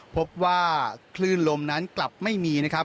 พบว่าคลื่นลมนั้นกลับไม่มีนะครับ